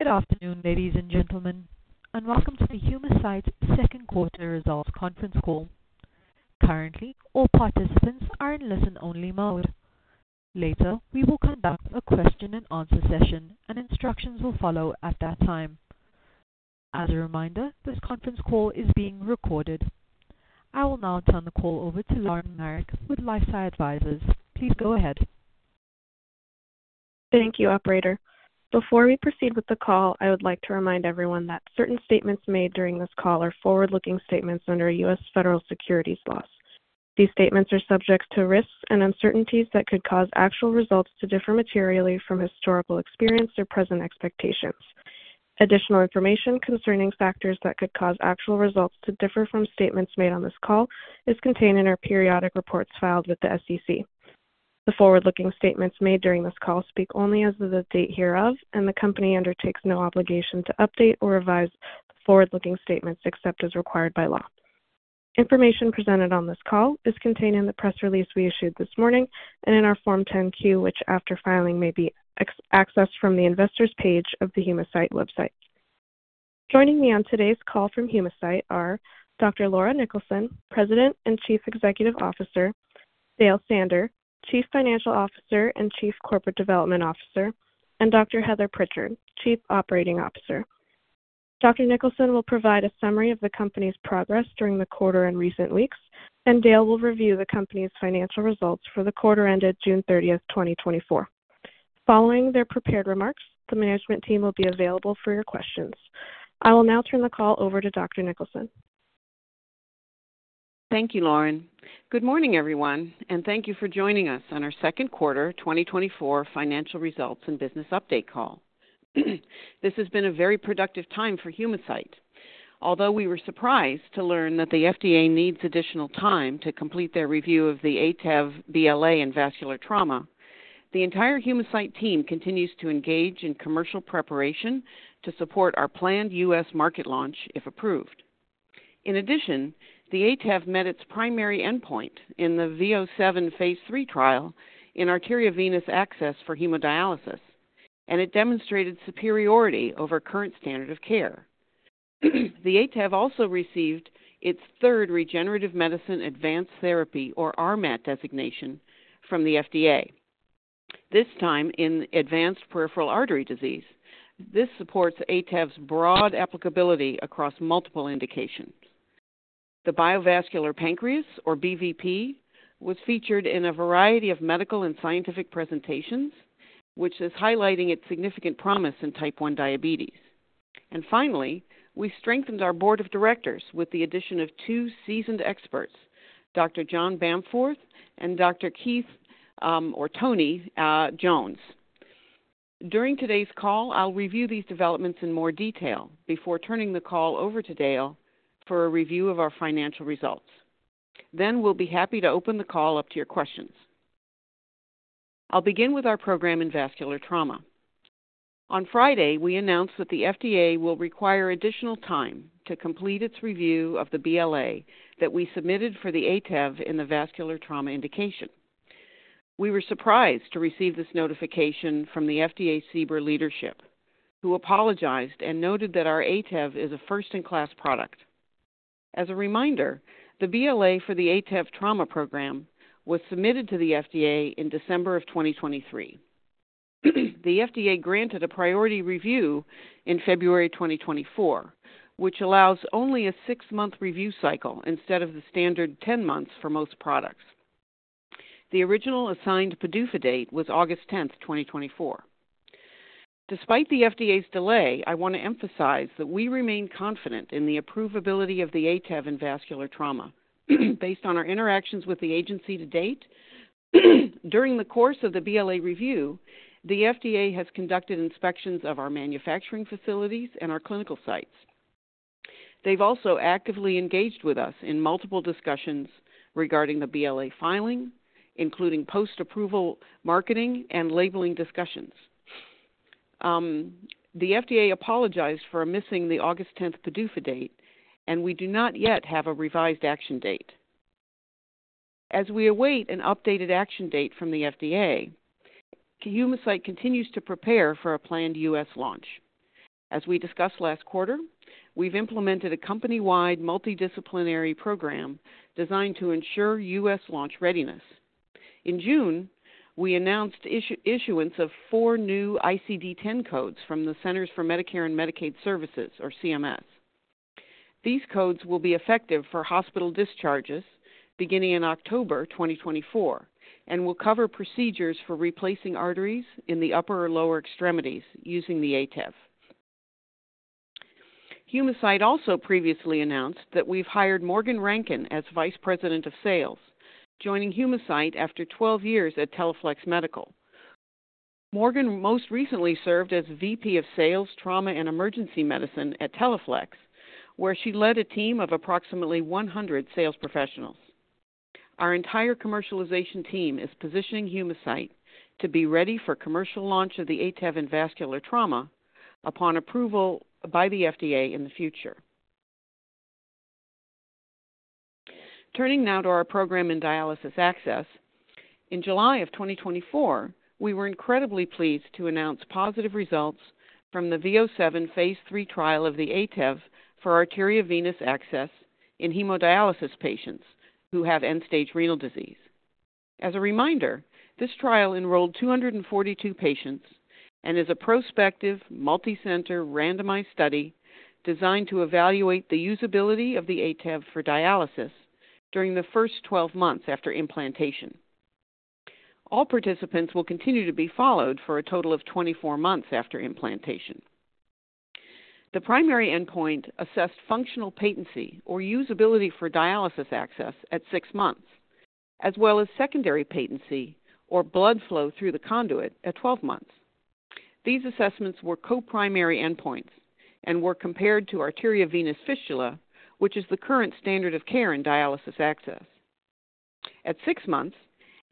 Good afternoon, ladies and gentlemen, and welcome to the Humacyte Second Quarter Results Conference Call. Currently, all participants are in listen-only mode. Later, we will conduct a question and answer session and instructions will follow at that time. As a reminder, this conference call is being recorded. I will now turn the call over to Lauren Marek with LifeSci Advisors. Please go ahead. Thank you, operator. Before we proceed with the call, I would like to remind everyone that certain statements made during this call are forward-looking statements under U.S. Federal securities laws. These statements are subject to risks and uncertainties that could cause actual results to differ materially from historical experience or present expectations. Additional information concerning factors that could cause actual results to differ from statements made on this call is contained in our periodic reports filed with the SEC. The forward-looking statements made during this call speak only as of the date hereof, and the Company undertakes no obligation to update or revise forward-looking statements except as required by law. Information presented on this call is contained in the press release we issued this morning and in our Form 10-Q, which, after filing, may be accessed from the investor's page of the Humacyte website. Joining me on today's call from Humacyte are Dr. Laura Niklason, President and Chief Executive Officer, Dale Sander, Chief Financial Officer and Chief Corporate Development Officer, And Dr. Heather Prichard, Chief Operating Officer. Dr. Niklason will provide a summary of the company's progress during the quarter and recent weeks, and Dale will review the company's financial results for the quarter ended June 30, 2024. Following their prepared remarks, the management team will be available for your questions. I will now turn the call over to Dr. Niklason. Thank you, Lauren. Good morning, everyone, and thank you for joining us on our second quarter 2024 financial results and business update call. This has been a very productive time for Humacyte. Although we were surprised to learn that the FDA needs additional time to complete their review of the ATEV BLA and vascular trauma, the entire Humacyte team continues to engage in commercial preparation to support our planned US market launch, if approved. In addition, the ATEV met its primary endpoint in the V007 phase 3 trial in arteriovenous access for hemodialysis, and it demonstrated superiority over current standard of care. The ATEV also received its third Regenerative Medicine Advanced Therapy, or RMAT, designation from the FDA, this time in advanced peripheral artery disease. This supports ATEV's broad applicability across multiple indications. The biovascular pancreas, or BVP, was featured in a variety of medical and scientific presentations, which is highlighting its significant promise in Type 1 diabetes. Finally, we strengthened our board of directors with the addition of two seasoned experts, Dr. John Bamforth and Dr. Keith or Tony Jones. During today's call, I'll review these developments in more detail before turning the call over to Dale for a review of our financial results. Then we'll be happy to open the call up to your questions. I'll begin with our program in vascular trauma. On Friday, we announced that the FDA will require additional time to complete its review of the BLA that we submitted for the ATEV in the vascular trauma indication. We were surprised to receive this notification from the FDA CBER leadership, who apologized and noted that our ATEV is a first-in-class product. As a reminder, the BLA for the ATEV trauma program was submitted to the FDA in December of 2023. The FDA granted a priority review in February 2024, which allows only a 6-month review cycle instead of the standard 10 months for most products. The original assigned PDUFA date was August 10, 2024. Despite the FDA's delay, I want to emphasize that we remain confident in the approvability of the ATEV in vascular trauma, based on our interactions with the agency to date. During the course of the BLA review, the FDA has conducted inspections of our manufacturing facilities and our clinical sites. They've also actively engaged with us in multiple discussions regarding the BLA filing, including post-approval, marketing, and labeling discussions. The FDA apologized for missing the August 10 PDUFA date, and we do not yet have a revised action date. As we await an updated action date from the FDA, Humacyte continues to prepare for a planned US launch. As we discussed last quarter, we've implemented a company-wide multidisciplinary program designed to ensure US launch readiness. In June, we announced issuance of four new ICD-10 codes from the Centers for Medicare and Medicaid Services, or CMS. These codes will be effective for hospital discharges beginning in October 2024 and will cover procedures for replacing arteries in the upper or lower extremities using the ATEV. Humacyte also previously announced that we've hired Morgan Rankin as Vice President of Sales, joining Humacyte after 12 years at Teleflex. Morgan most recently served as VP of Sales, Trauma, and Emergency Medicine at Teleflex, where she led a team of approximately 100 sales professionals. Our entire commercialization team is positioning Humacyte to be ready for commercial launch of the ATEV in vascular trauma upon approval by the FDA in the future. Turning now to our program in dialysis access. In July of 2024, we were incredibly pleased to announce positive results from the VO7 phase 3 trial of the ATEV for arteriovenous access in hemodialysis patients who have end-stage renal disease. As a reminder, this trial enrolled 242 patients and is a prospective, multicenter, randomized study designed to evaluate the usability of the ATEV for dialysis during the first 12 months after implantation. All participants will continue to be followed for a total of 24 months after implantation. The primary endpoint assessed functional patency or usability for dialysis access at 6 months, as well as secondary patency or blood flow through the conduit at 12 months. These assessments were co-primary endpoints and were compared to arteriovenous fistula, which is the current standard of care in dialysis access. At 6 months,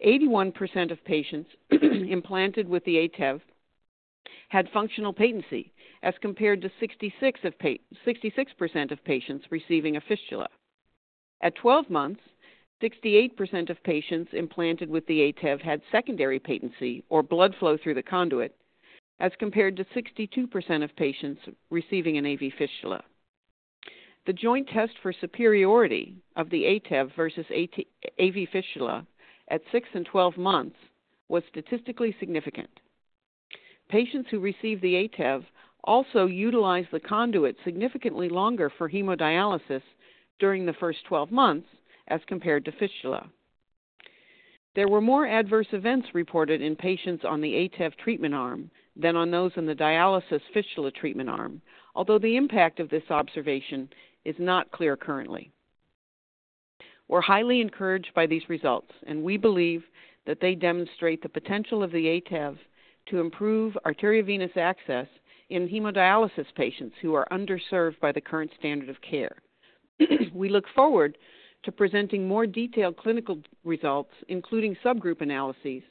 81% of patients implanted with the ATEV had functional patency, as compared to 66% of patients receiving a fistula. At 12 months, 68% of patients implanted with the ATEV had secondary patency or blood flow through the conduit, as compared to 62% of patients receiving an AV fistula. The joint test for superiority of the ATEV versus AV fistula at 6 and 12 months was statistically significant. Patients who received the ATEV also utilized the conduit significantly longer for hemodialysis during the first 12 months as compared to fistula. There were more adverse events reported in patients on the ATEV treatment arm than on those in the dialysis fistula treatment arm, although the impact of this observation is not clear currently. We're highly encouraged by these results, and we believe that they demonstrate the potential of the ATEV to improve arteriovenous access in hemodialysis patients who are underserved by the current standard of care. We look forward to presenting more detailed clinical results, including subgroup analyses,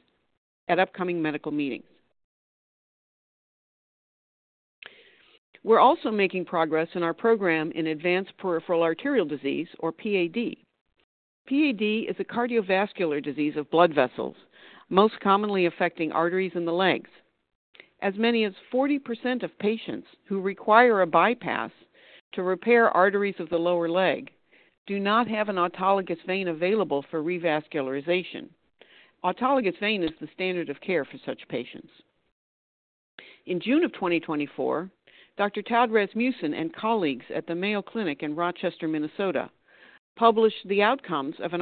at upcoming medical meetings. We're also making progress in our program in advanced peripheral arterial disease or PAD. PAD is a cardiovascular disease of blood vessels, most commonly affecting arteries in the legs. As many as 40% of patients who require a bypass to repair arteries of the lower leg do not have an autologous vein available for revascularization. Autologous vein is the standard of care for such patients. In June of 2024, Dr. Todd Rasmussen and colleagues at the Mayo Clinic in Rochester, Minnesota, published the outcomes of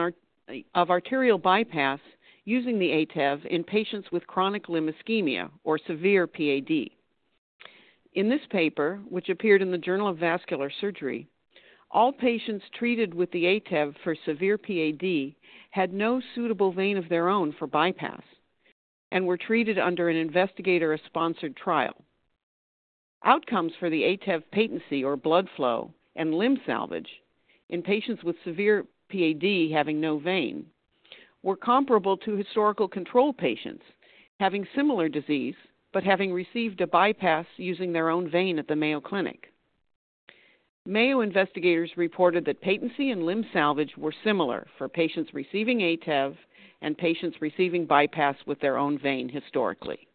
arterial bypass using the ATEV in patients with chronic limb ischemia or severe PAD. In this paper, which appeared in the Journal of Vascular Surgery, all patients treated with the ATEV for severe PAD had no suitable vein of their own for bypass and were treated under an investigator-sponsored trial. Outcomes for the ATEV patency, or blood flow and limb salvage in patients with severe PAD having no vein, were comparable to historical control patients having similar disease but having received a bypass using their own vein at the Mayo Clinic. Mayo investigators reported that patency and limb salvage were similar for patients receiving ATEV and patients receiving bypass with their own vein historically.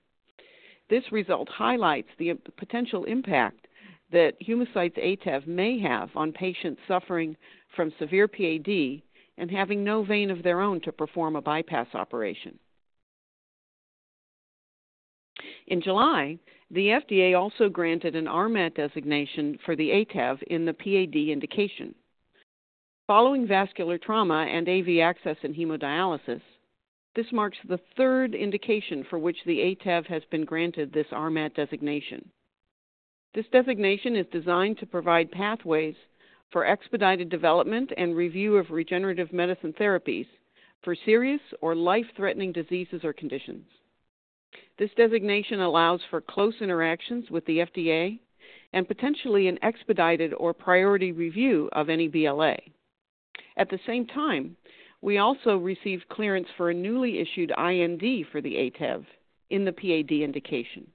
This result highlights the potential impact that Humacyte's ATEV may have on patients suffering from severe PAD and having no vein of their own to perform a bypass operation. In July, the FDA also granted an RMAT designation for the ATEV in the PAD indication. Following vascular trauma and AV access in hemodialysis, this marks the third indication for which the ATEV has been granted this RMAT designation. This designation is designed to provide pathways for expedited development and review of regenerative medicine therapies for serious or life-threatening diseases or conditions. This designation allows for close interactions with the FDA and potentially an expedited or priority review of any BLA. At the same time, we also received clearance for a newly issued IND for the ATEV in the PAD indication.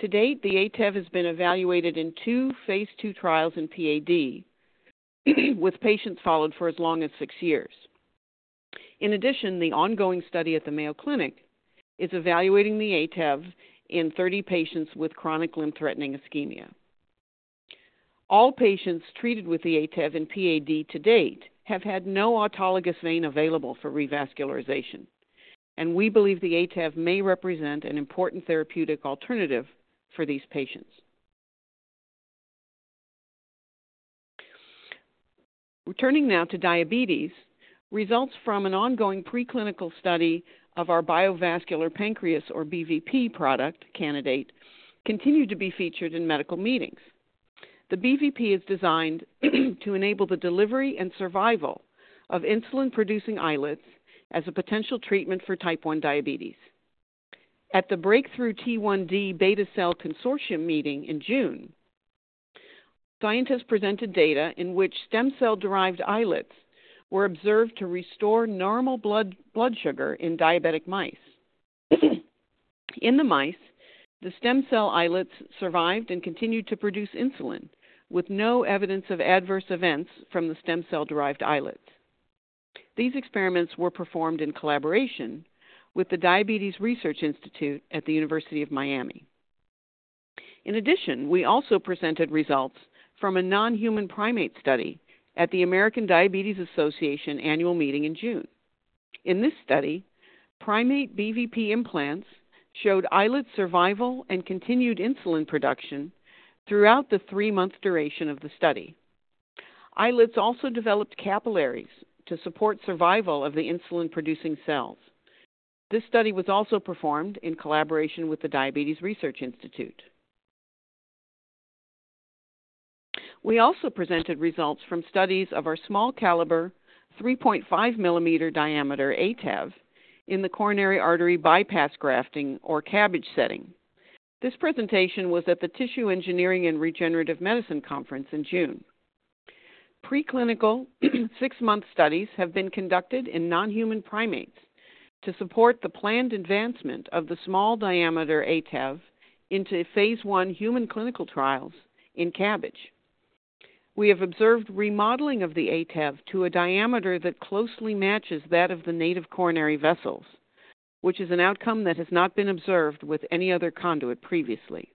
To date, the ATEV has been evaluated in two phase 2 trials in PAD, with patients followed for as long as six years. In addition, the ongoing study at the Mayo Clinic is evaluating the ATEV in 30 patients with chronic limb-threatening ischemia. All patients treated with the ATEV in PAD to date have had no autologous vein available for revascularization, and we believe the ATEV may represent an important therapeutic alternative for these patients. Turning now to diabetes, results from an ongoing preclinical study of our biovascular pancreas, or BVP, product candidate continued to be featured in medical meetings. The BVP is designed to enable the delivery and survival of insulin-producing islets as a potential treatment for Type 1 diabetes. At the Breakthrough T1D Beta Cell Consortium meeting in June, scientists presented data in which stem cell-derived islets were observed to restore normal blood, blood sugar in diabetic mice...In the mice, the stem cell islets survived and continued to produce insulin, with no evidence of adverse events from the stem cell-derived islets. These experiments were performed in collaboration with the Diabetes Research Institute at the University of Miami. In addition, we also presented results from a non-human primate study at the American Diabetes Association annual meeting in June. In this study, primate BVP implants showed islet survival and continued insulin production throughout the 3-month duration of the study. Islets also developed capillaries to support survival of the insulin-producing cells. This study was also performed in collaboration with the Diabetes Research Institute. We also presented results from studies of our small caliber, 3.5 millimeter diameter ATAF in the Coronary artery bypass grafting, or CABG setting. This presentation was at the Tissue Engineering and Regenerative Medicine Conference in June. Preclinical, 6-month studies have been conducted in non-human primates to support the planned advancement of the small diameter ATAF into phase 1 human clinical trials in CABG. We have observed remodeling of the ATAF to a diameter that closely matches that of the native coronary vessels, which is an outcome that has not been observed with any other conduit previously.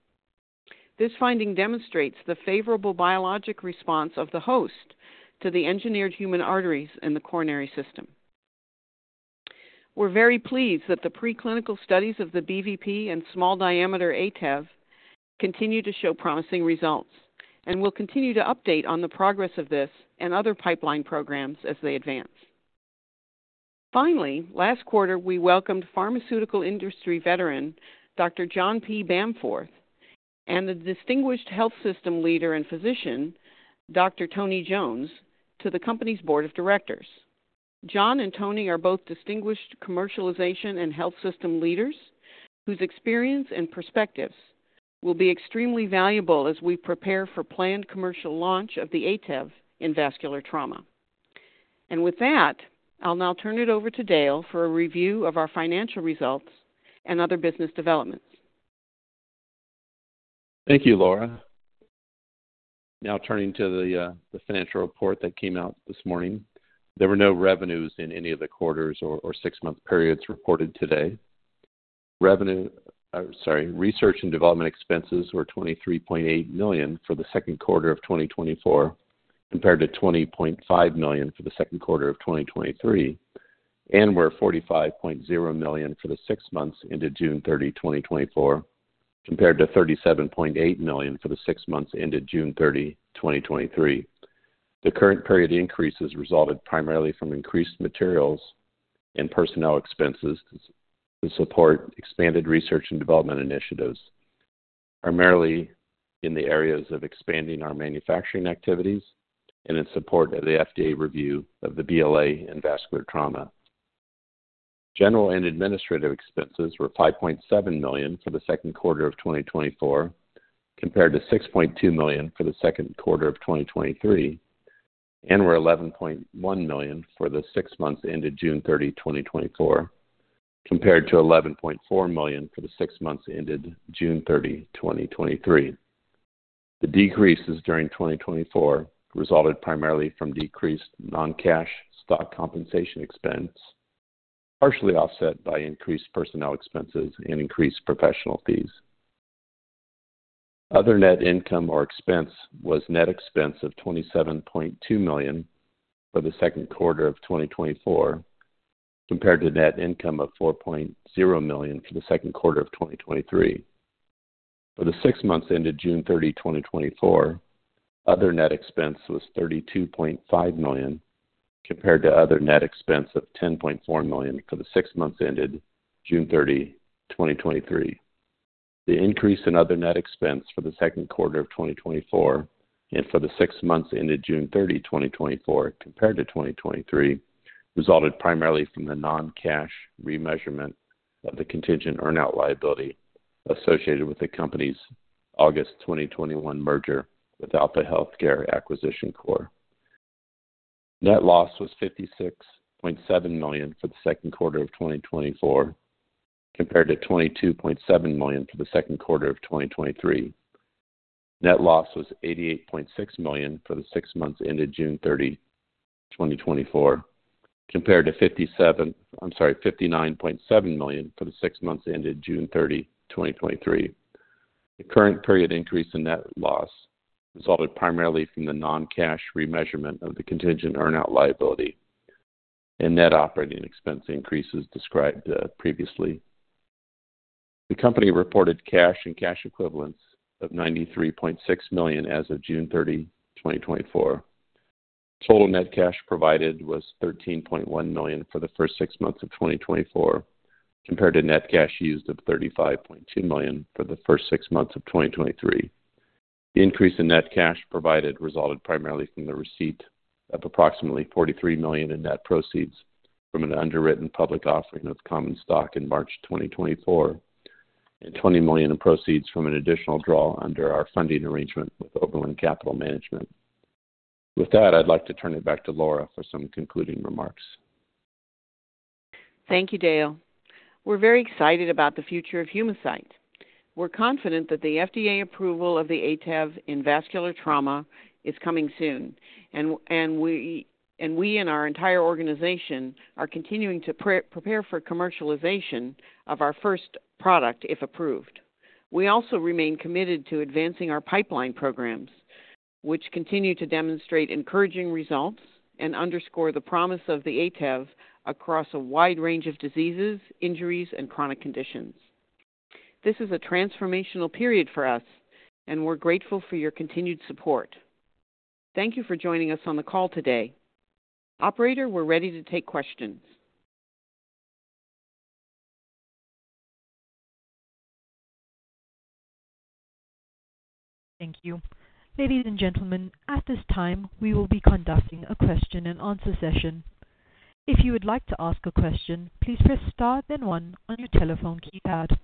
This finding demonstrates the favorable biologic response of the host to the engineered human arteries in the coronary system. We're very pleased that the preclinical studies of the BVP and small diameter ATAF continue to show promising results, and we'll continue to update on the progress of this and other pipeline programs as they advance. Finally, last quarter, we welcomed pharmaceutical industry veteran, Dr. John P. Bamforth, and the distinguished health system leader and physician, Dr. Tony Jones, to the company's board of directors. John and Tony are both distinguished commercialization and health system leaders, whose experience and perspectives will be extremely valuable as we prepare for planned commercial launch of the ATEV in vascular trauma. With that, I'll now turn it over to Dale for a review of our financial results and other business developments. Thank you, Laura. Now, turning to the financial report that came out this morning. There were no revenues in any of the quarters or six-month periods reported today. Research and development expenses were $23.8 million for the second quarter of 2024, compared to $20.5 million for the second quarter of 2023, and were $45.0 million for the six months ended June 30, 2024, compared to $37.8 million for the six months ended June 30, 2023. The current period increases resulted primarily from increased materials and personnel expenses to support expanded research and development initiatives, primarily in the areas of expanding our manufacturing activities and in support of the FDA review of the BLA in vascular trauma. General and administrative expenses were $5.7 million for the second quarter of 2024, compared to $6.2 million for the second quarter of 2023, and were $11.1 million for the six months ended June 30, 2024, compared to $11.4 million for the six months ended June 30, 2023. The decreases during 2024 resulted primarily from decreased non-cash stock compensation expense, partially offset by increased personnel expenses and increased professional fees. Other net income or expense was net expense of $27.2 million for the second quarter of 2024, compared to net income of $4.0 million for the second quarter of 2023. For the six months ended June 30, 2024, other net expense was $32.5 million, compared to other net expense of $10.4 million for the six months ended June 30, 2023. The increase in other net expense for the second quarter of 2024 and for the six months ended June 30, 2024, compared to 2023, resulted primarily from the non-cash remeasurement of the contingent earn-out liability associated with the company's August 2021 merger with Alta Healthcare Acquisition Corp. Net loss was $56.7 million for the second quarter of 2024, compared to $22.7 million for the second quarter of 2023. Net loss was $88.6 million for the six months ended June 30, 2024, compared to 57... I'm sorry, $59.7 million for the six months ended June 30, 2023. The current period increase in net loss resulted primarily from the non-cash remeasurement of the contingent earn-out liability and net operating expense increases described previously. The company reported cash and cash equivalents of $93.6 million as of June 30, 2024. Total net cash provided was $13.1 million for the first six months of 2024, compared to net cash used of $35.2 million for the first six months of 2023. The increase in net cash provided resulted primarily from the receipt of approximately $43 million in net proceeds from an underwritten public offering of common stock in March 2024, and $20 million in proceeds from an additional draw under our funding arrangement with Overland Capital Management. With that, I'd like to turn it back to Laura for some concluding remarks. Thank you, Dale. We're very excited about the future of Humacyte. We're confident that the FDA approval of the ATEV in vascular trauma is coming soon, and we and our entire organization are continuing to prepare for commercialization of our first product, if approved. We also remain committed to advancing our pipeline programs, which continue to demonstrate encouraging results and underscore the promise of the ATEV across a wide range of diseases, injuries, and chronic conditions. This is a transformational period for us, and we're grateful for your continued support. Thank you for joining us on the call today. Operator, we're ready to take questions. Thank you. Ladies and gentlemen, at this time, we will be conducting a question-and-answer session. If you would like to ask a question, please press Star then One on your telephone keypad.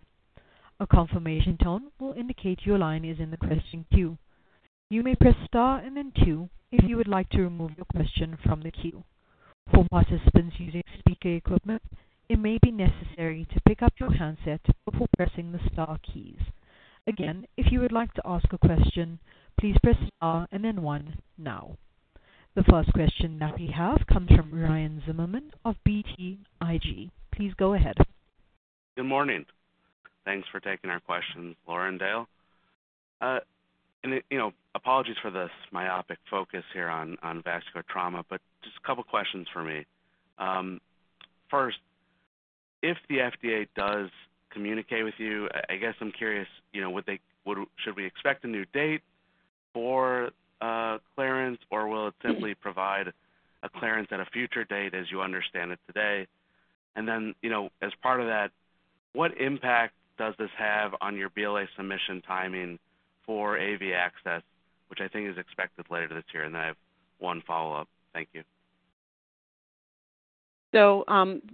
A confirmation tone will indicate your line is in the question queue. You may press Star and then Two if you would like to remove your question from the queue. For participants using speaker equipment, it may be necessary to pick up your handset before pressing the star keys. Again, if you would like to ask a question, please press Star and then One now. The first question that we have comes from Ryan Zimmerman of BTIG. Please go ahead. Good morning. Thanks for taking our questions, Laura and Dale. And, you know, apologies for this myopic focus here on vascular trauma, but just a couple questions for me. First, if the FDA does communicate with you, I guess I'm curious, you know, would they—would... Should we expect a new date for clearance, or will it simply provide a clearance at a future date, as you understand it today? And then, you know, as part of that, what impact does this have on your BLA submission timing for AV access, which I think is expected later this year? And then I have one follow-up. Thank you. So,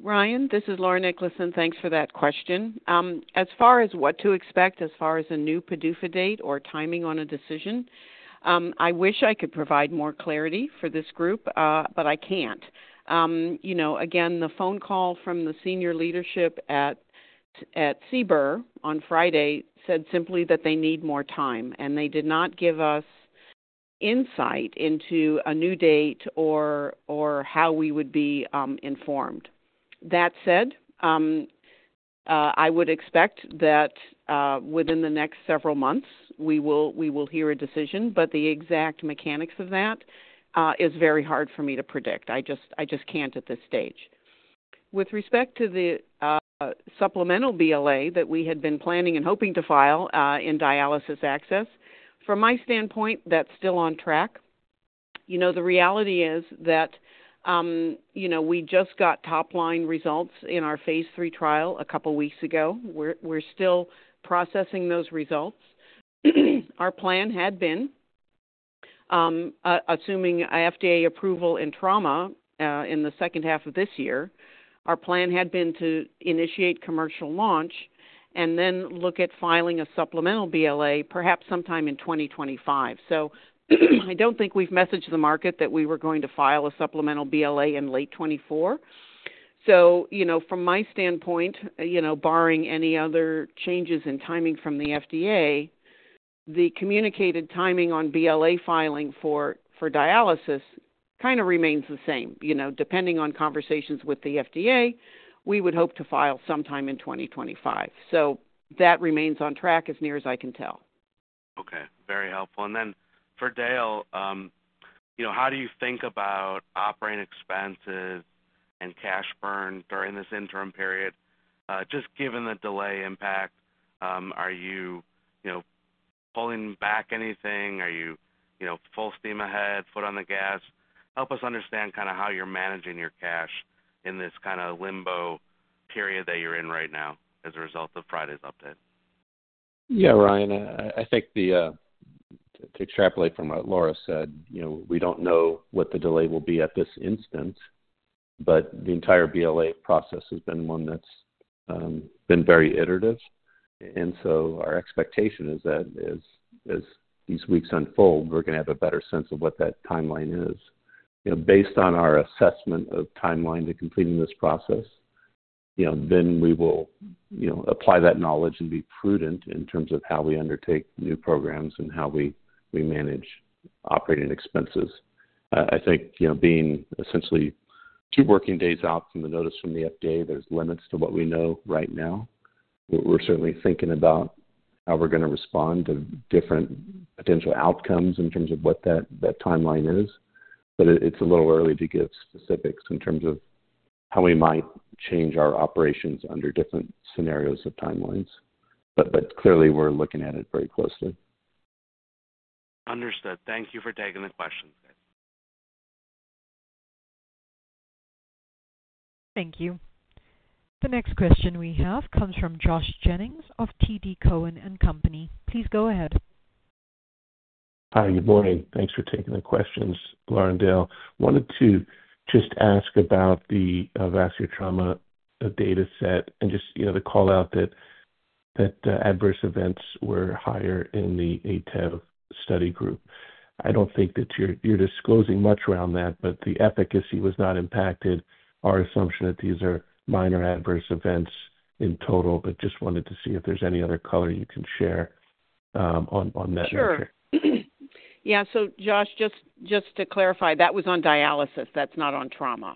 Ryan, this is Laura Niklason, and thanks for that question. As far as what to expect, as far as a new PDUFA date or timing on a decision, I wish I could provide more clarity for this group, but I can't. You know, again, the phone call from the senior leadership at CBER on Friday said simply that they need more time, and they did not give us insight into a new date or how we would be informed. That said, I would expect that within the next several months, we will hear a decision, but the exact mechanics of that is very hard for me to predict. I just can't at this stage. With respect to the supplemental BLA that we had been planning and hoping to file in dialysis access, from my standpoint, that's still on track. You know, the reality is that, you know, we just got top-line results in our phase 3 trial a couple weeks ago. We're still processing those results. Our plan had been assuming a FDA approval in trauma in the second half of this year, our plan had been to initiate commercial launch and then look at filing a supplemental BLA, perhaps sometime in 2025. So I don't think we've messaged the market that we were going to file a supplemental BLA in late 2024. So, you know, from my standpoint, you know, barring any other changes in timing from the FDA, the communicated timing on BLA filing for dialysis kind of remains the same. You know, depending on conversations with the FDA, we would hope to file sometime in 2025. So that remains on track as near as I can tell. Okay, very helpful. And then for Dale, you know, how do you think about operating expenses and cash burn during this interim period? Just given the delay impact, are you, you know, pulling back anything? Are you, you know, full steam ahead, foot on the gas? Help us understand kind of how you're managing your cash in this kind of limbo period that you're in right now as a result of Friday's update. Yeah, Ryan, I think to extrapolate from what Laura said, you know, we don't know what the delay will be at this instance, but the entire BLA process has been one that's been very iterative. And so our expectation is that as these weeks unfold, we're going to have a better sense of what that timeline is. You know, based on our assessment of timeline to completing this process, you know, then we will, you know, apply that knowledge and be prudent in terms of how we undertake new programs and how we manage operating expenses. I think, you know, being essentially two working days out from the notice from the FDA, there's limits to what we know right now. We're certainly thinking about how we're going to respond to different potential outcomes in terms of what that timeline is, but it's a little early to give specifics in terms of how we might change our operations under different scenarios of timelines. But clearly we're looking at it very closely. Understood. Thank you for taking the question. Thank you. The next question we have comes from Josh Jennings of TD Cowen. Please go ahead. Hi, good morning. Thanks for taking the questions, Laura and Dale. Wanted to just ask about the vascular trauma data set and just, you know, the call out that the adverse events were higher in the ATEV study group. I don't think that you're disclosing much around that, but the efficacy was not impacted. Our assumption that these are minor adverse events in total, but just wanted to see if there's any other color you can share on that measure. Sure. Yeah. So Josh, just, just to clarify, that was on dialysis. That's not on trauma.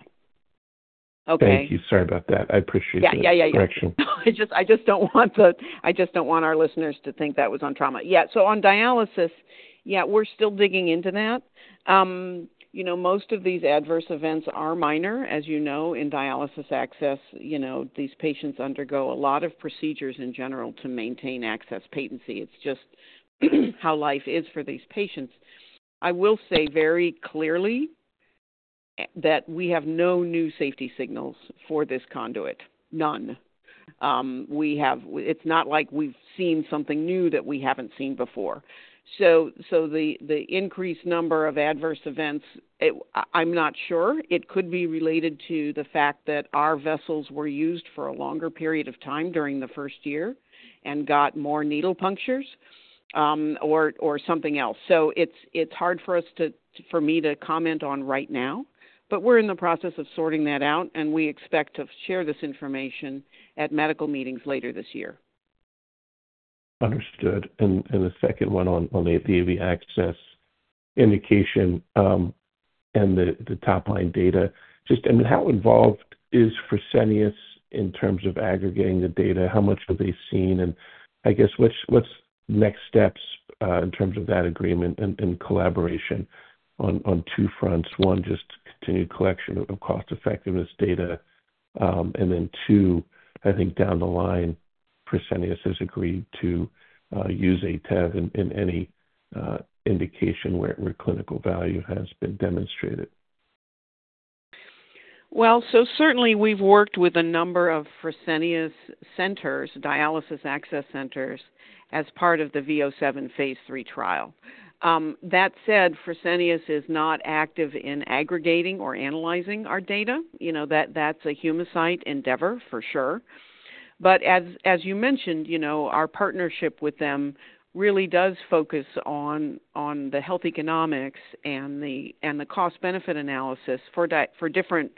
Okay? Thank you. Sorry about that. I appreciate the- Yeah, yeah, yeah - correction. I just don't want our listeners to think that was on trauma. Yeah, so on dialysis, yeah, we're still digging into that. You know, most of these adverse events are minor. As you know, in dialysis access, you know, these patients undergo a lot of procedures in general to maintain access patency. It's just how life is for these patients. I will say very clearly, that we have no new safety signals for this conduit. None. It's not like we've seen something new that we haven't seen before. So, the increased number of adverse events, I'm not sure. It could be related to the fact that our vessels were used for a longer period of time during the first year and got more needle punctures, or something else. So it's hard for us to, for me to comment on right now, but we're in the process of sorting that out, and we expect to share this information at medical meetings later this year. Understood. The second one on the AV access indication and the top line data. Just, I mean, how involved is Fresenius in terms of aggregating the data? How much have they seen? And I guess, what's next steps in terms of that agreement and collaboration on two fronts? One, just continued collection of cost effectiveness data, and then two, I think down the line, Fresenius has agreed to use ATEV in any indication where clinical value has been demonstrated. Well, so certainly we've worked with a number of Fresenius centers, dialysis access centers, as part of the V07 phase 3 trial. That said, Fresenius is not active in aggregating or analyzing our data. You know, that's a Humacyte endeavor for sure. But as you mentioned, you know, our partnership with them really does focus on the health economics and the cost benefit analysis for different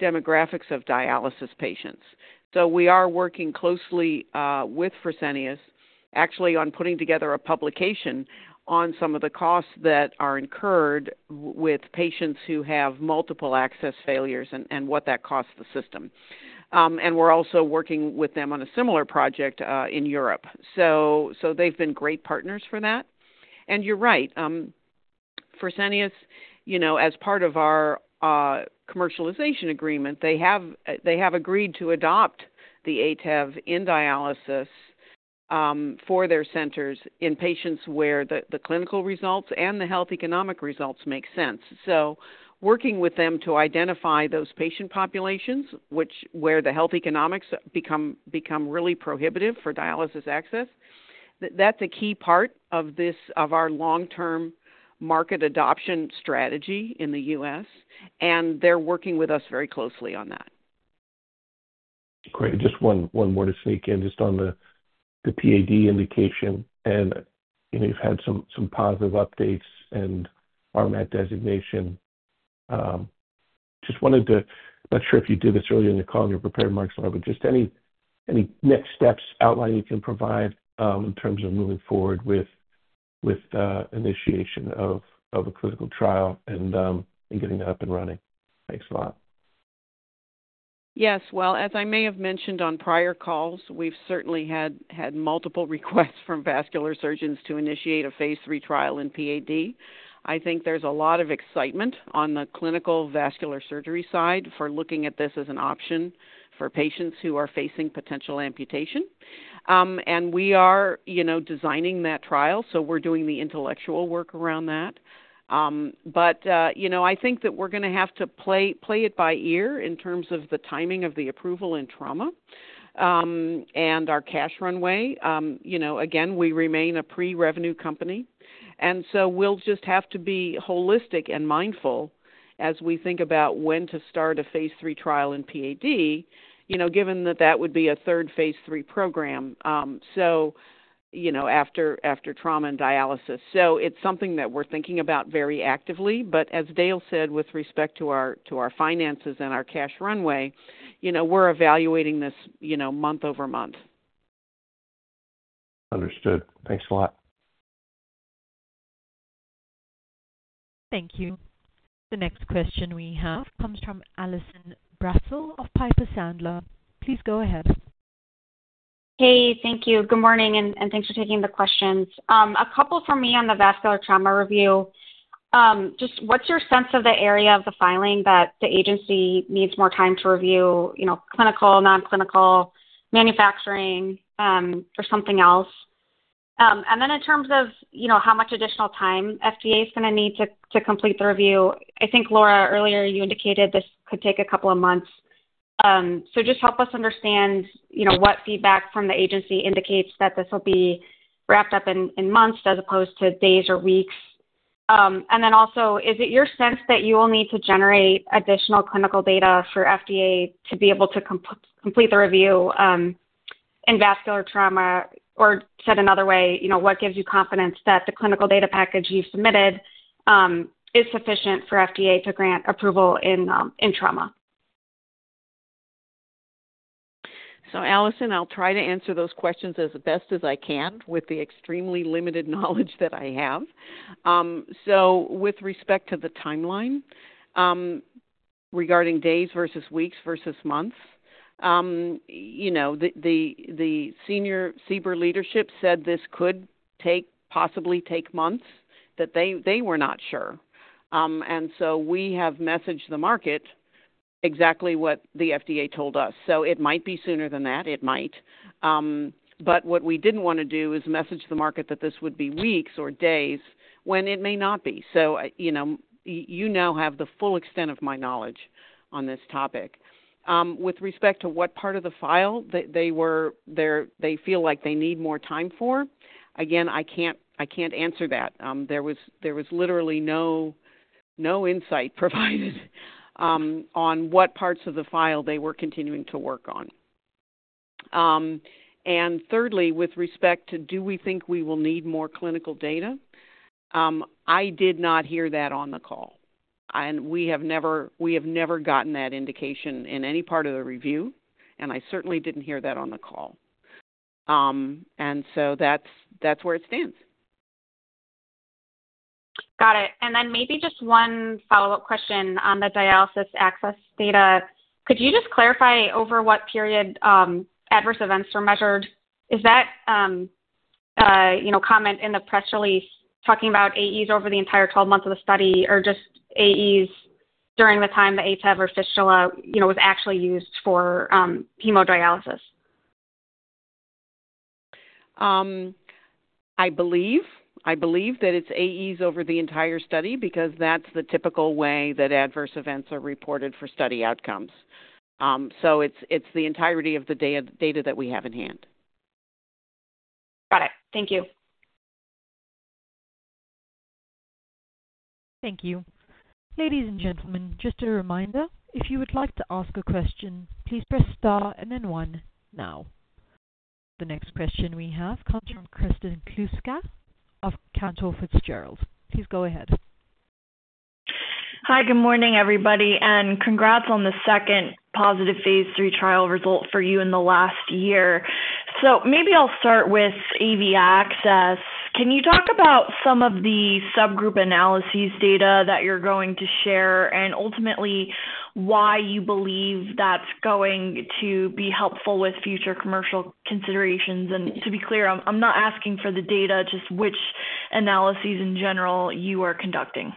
demographics of dialysis patients. So we are working closely with Fresenius, actually, on putting together a publication on some of the costs that are incurred with patients who have multiple access failures and what that costs the system. And we're also working with them on a similar project in Europe. So they've been great partners for that. You're right, Fresenius, you know, as part of our commercialization agreement, they have, they have agreed to adopt the ATEV in dialysis for their centers in patients where the clinical results and the health economic results make sense. So working with them to identify those patient populations where the health economics become really prohibitive for dialysis access, that's a key part of our long-term market adoption strategy in the US, and they're working with us very closely on that. Great. Just one, one more to sneak in. Just on the PAD indication, and, you know, you've had some positive updates and RMAT designation. Just wanted to... I'm not sure if you did this earlier in the call in your prepared remarks or not, but just any next steps outlining you can provide, in terms of moving forward with initiation of a clinical trial and getting that up and running? Thanks a lot. Yes. Well, as I may have mentioned on prior calls, we've certainly had multiple requests from vascular surgeons to initiate a phase 3 trial in PAD. I think there's a lot of excitement on the clinical vascular surgery side for looking at this as an option for patients who are facing potential amputation. And we are, you know, designing that trial, so we're doing the intellectual work around that. But, you know, I think that we're gonna have to play it by ear in terms of the timing of the approval in trauma, and our cash runway. You know, again, we remain a pre-revenue company, and so we'll just have to be holistic and mindful as we think about when to start a phase 3 trial in PAD, you know, given that that would be a third phase 3 program, so you know, after trauma and dialysis. So it's something that we're thinking about very actively. But as Dale said, with respect to our finances and our cash runway, you know, we're evaluating this, you know, month over month. Understood. Thanks a lot. Thank you. The next question we have comes from Allison Bratzel of Piper Sandler. Please go ahead. Hey, thank you. Good morning, and thanks for taking the questions. A couple for me on the vascular trauma review. Just what's your sense of the area of the filing that the agency needs more time to review? You know, clinical, non-clinical, manufacturing, or something else? And then in terms of, you know, how much additional time FDA is gonna need to complete the review, I think, Laura, earlier you indicated this could take a couple of months. So just help us understand, you know, what feedback from the agency indicates that this will be wrapped up in months as opposed to days or weeks? And then also, is it your sense that you will need to generate additional clinical data for FDA to be able to complete the review in vascular trauma? Or said another way, you know, what gives you confidence that the clinical data package you've submitted is sufficient for FDA to grant approval in trauma? So, Allison, I'll try to answer those questions as best as I can with the extremely limited knowledge that I have. So with respect to the timeline, regarding days versus weeks versus months, you know, the senior CBER leadership said this could take, possibly take months, that they were not sure. And so we have messaged the market exactly what the FDA told us. So it might be sooner than that. It might. But what we didn't want to do is message the market that this would be weeks or days when it may not be. So, you know, you now have the full extent of my knowledge on this topic. With respect to what part of the file they feel like they need more time for, again, I can't answer that. There was literally no insight provided on what parts of the file they were continuing to work on. And thirdly, with respect to do we think we will need more clinical data? I did not hear that on the call, and we have never gotten that indication in any part of the review, and I certainly didn't hear that on the call. And so that's where it stands. Got it, and then maybe just one follow-up question on the dialysis access data. Could you just clarify over what period adverse events were measured? Is that, you know, comment in the press release talking about AEs over the entire 12 months of the study, or just AEs during the time the ATEV or fistula, you know, was actually used for hemodialysis? I believe that it's AEs over the entire study, because that's the typical way that adverse events are reported for study outcomes. So it's the entirety of the data that we have in hand. Got it. Thank you. Thank you. Ladies and gentlemen, just a reminder, if you would like to ask a question, please press Star and then one now. The next question we have comes from Kristin Kluska of Cantor Fitzgerald. Please go ahead. Hi, good morning, everybody, and congrats on the second positive phase 3 trial result for you in the last year. So maybe I'll start with AV access. Can you talk about some of the subgroup analysis data that you're going to share and ultimately why you believe that's going to be helpful with future commercial considerations? And to be clear, I'm not asking for the data, just which analyses in general you are conducting.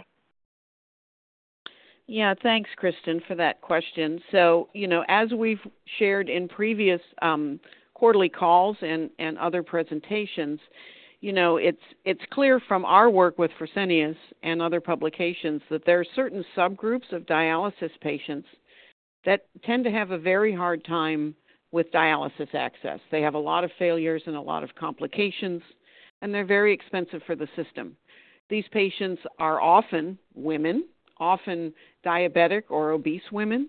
Yeah, thanks, Kristin, for that question. So, you know, as we've shared in previous quarterly calls and other presentations, you know, it's clear from our work with Fresenius and other publications that there are certain subgroups of dialysis patients that tend to have a very hard time with dialysis access. They have a lot of failures and a lot of complications, and they're very expensive for the system. These patients are often women, often diabetic or obese women.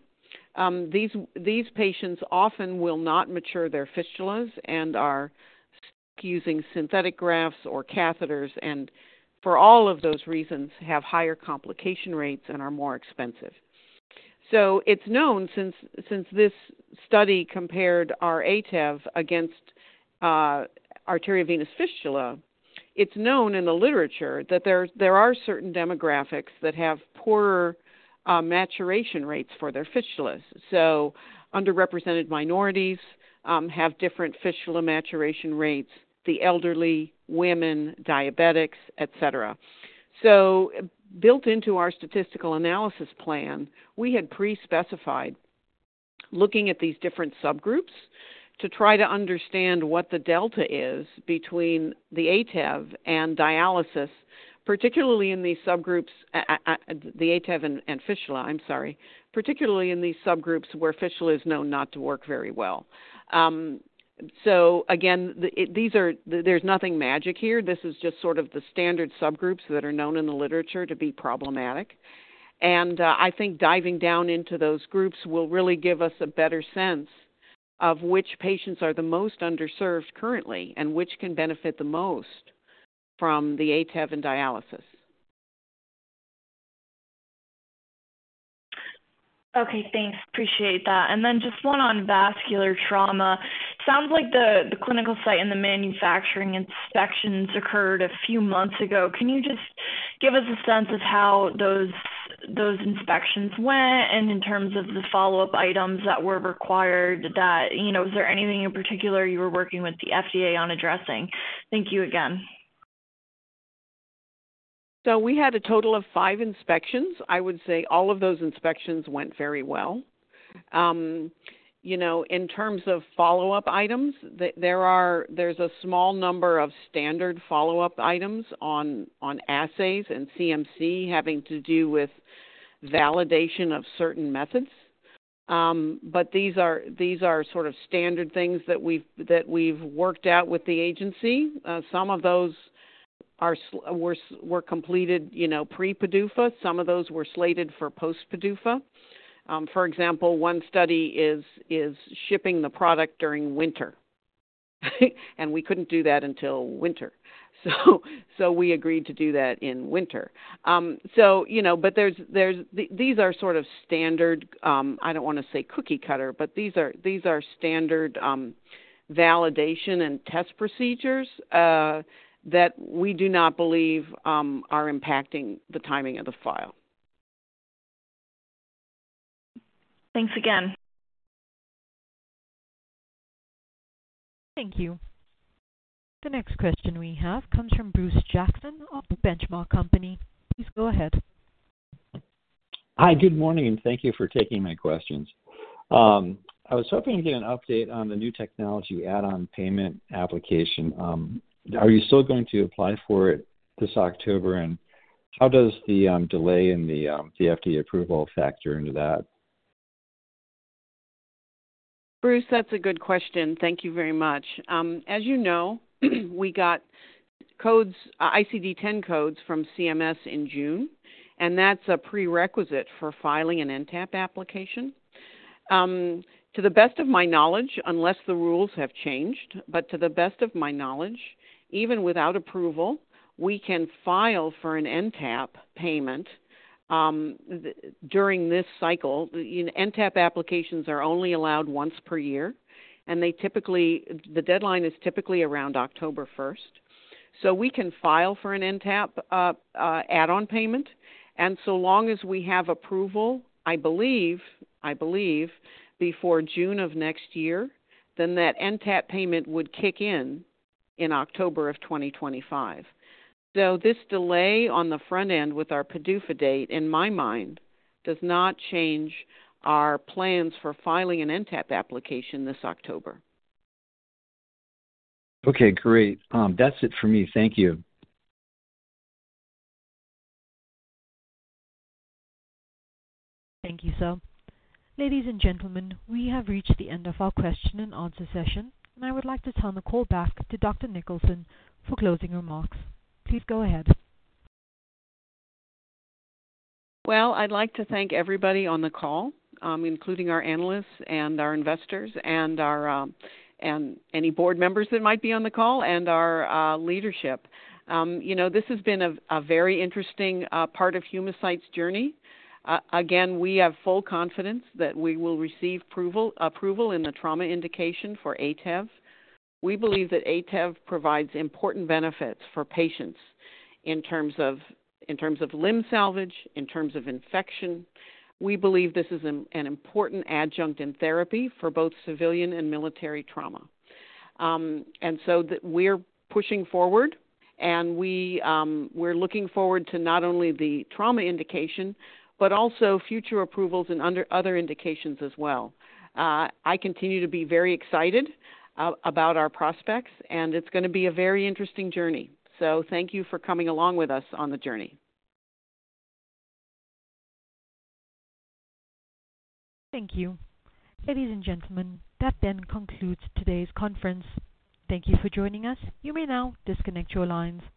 These patients often will not mature their fistulas and are using synthetic grafts or catheters, and for all of those reasons, have higher complication rates and are more expensive. So it's known since this study compared our ATEV against arteriovenous fistula, it's known in the literature that there are certain demographics that have poorer maturation rates for their fistulas. So underrepresented minorities have different fistula maturation rates, the elderly, women, diabetics, et cetera. So built into our statistical analysis plan, we had pre-specified looking at these different subgroups to try to understand what the delta is between the ATEV and dialysis, particularly in these subgroups, the ATEV and fistula, I'm sorry, particularly in these subgroups where fistula is known not to work very well. So again, these are... There's nothing magic here. This is just sort of the standard subgroups that are known in the literature to be problematic. I think diving down into those groups will really give us a better sense of which patients are the most underserved currently and which can benefit the most from the ATEV and dialysis. Okay, thanks. Appreciate that. And then just one on vascular trauma. Sounds like the clinical site and the manufacturing inspections occurred a few months ago. Can you just give us a sense of how those inspections went and in terms of the follow-up items that were required that, you know, is there anything in particular you were working with the FDA on addressing? Thank you again. So we had a total of 5 inspections. I would say all of those inspections went very well. You know, in terms of follow-up items, there are, there's a small number of standard follow-up items on assays and CMC, having to do with validation of certain methods. But these are sort of standard things that we've worked out with the agency. Some of those were completed, you know, pre-PDUFA. Some of those were slated for post-PDUFA. For example, one study is shipping the product during winter, and we couldn't do that until winter. So we agreed to do that in winter. So, you know, but there are, these are sort of standard. I don't wanna say cookie cutter, but these are standard validation and test procedures that we do not believe are impacting the timing of the file. Thanks again. Thank you. The next question we have comes from Bruce Jackson of The Benchmark Company. Please go ahead. Hi, good morning, and thank you for taking my questions. I was hoping to get an update on the New Technology Add-on Payment application. Are you still going to apply for it this October, and how does the delay in the FDA approval factor into that? Bruce, that's a good question. Thank you very much. As you know, we got codes, ICD-10 codes from CMS in June, and that's a prerequisite for filing an NTAP application. To the best of my knowledge, unless the rules have changed, but to the best of my knowledge, even without approval, we can file for an NTAP payment during this cycle. NTAP applications are only allowed once per year, and they typically, the deadline is typically around October 1. So we can file for an NTAP add-on payment, and so long as we have approval, I believe, before June of next year, then that NTAP payment would kick in, in October of 2025. So this delay on the front end with our PDUFA date, in my mind, does not change our plans for filing an NTAP application this October. Okay, great. That's it for me. Thank you. Thank you, sir. Ladies and gentlemen, we have reached the end of our question-and-answer session, and I would like to turn the call back to Dr. Niklason for closing remarks. Please go ahead. Well, I'd like to thank everybody on the call, including our analysts and our investors and our, and any board members that might be on the call and our leadership. You know, this has been a very interesting part of Humacyte's journey. Again, we have full confidence that we will receive approval in the trauma indication for ATEV. We believe that ATEV provides important benefits for patients in terms of limb salvage, in terms of infection. We believe this is an important adjunct in therapy for both civilian and military trauma. And so we're pushing forward, and we're looking forward to not only the trauma indication, but also future approvals in under other indications as well. I continue to be very excited about our prospects, and it's gonna be a very interesting journey. So thank you for coming along with us on the journey. Thank you. Ladies and gentlemen, that then concludes today's conference. Thank you for joining us. You may now disconnect your lines.